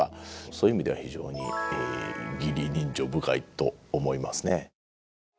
そういう意味では非常に義理人情深いと思いますね。